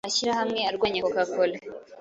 amashyirahamwe arwanya Coca cola